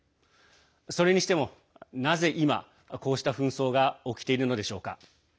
それにしても、なぜ今こうした紛争が起きているのでしょうか。